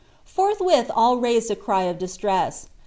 ForihwitJi all raised a cry of JiBlress.